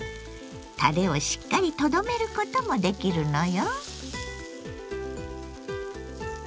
たれをしっかりとどめることもできるのよ。